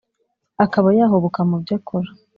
akaba yahubuka mu byo akora